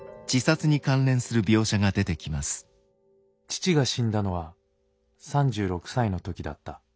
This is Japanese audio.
父が死んだのは３６歳の時だった。